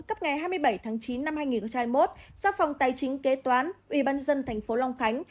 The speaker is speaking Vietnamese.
cấp ngày hai mươi bảy tháng chín năm hai nghìn hai mươi một do phòng tài chính kế toán ubnd tp long khánh